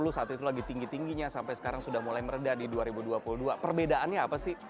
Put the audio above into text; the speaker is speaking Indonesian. saat itu lagi tinggi tingginya sampai sekarang sudah mulai meredah di dua ribu dua puluh dua perbedaannya apa sih